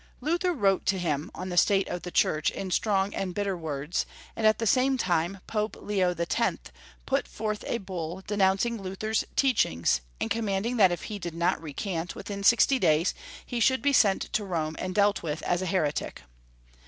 Luther wrote to him on the state of the Church in strong and bitter words, and at the same time Pope Leo X. put forth a bull denouncing Luther's teaching, and commanding that if he did not re CharhB V. 273 cant within sixty days he should be sent to Rome and dealt with as a heretic.